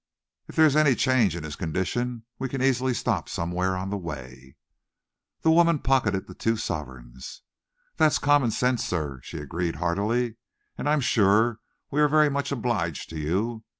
If there is any change in his condition, we can easily stop somewhere on the way." The woman pocketed the two sovereigns. "That's common sense, sir," she agreed heartily, "and I'm sure we are very much obliged to you.